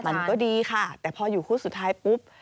มันก็ดีค่ะแต่พออยู่คู่สุดท้ายปุ๊บ